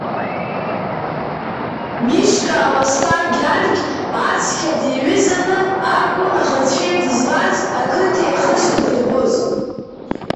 Мишка Ауасҭа Гьаргь ацқьа диҩызаны акәын аӷацәеи дызлаз ақыҭеи ихы шыдирбоз…